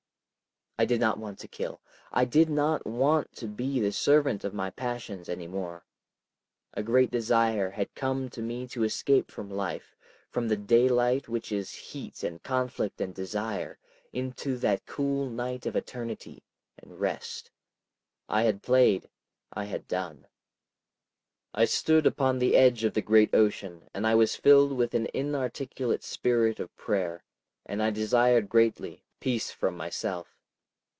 I did not want to kill. I did not want to be the servant of my passions any more. A great desire had come to me to escape from life, from the daylight which is heat and conflict and desire, into that cool night of eternity—and rest. I had played—I had done. I stood upon the edge of the great ocean, and I was filled with an inarticulate spirit of prayer, and I desired greatly—peace from myself.